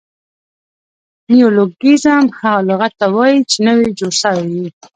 نیولوګیزم هغه لغت ته وایي، چي نوي جوړ سوي يي.